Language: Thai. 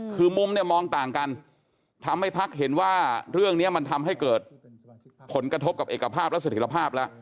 คือมุมเนี่ยมองต่างกันทำให้พักเห็นว่าเรื่องนี้มันทำให้เกิดผลกระทบกับเอกภาพและสถิตภาพแล้ว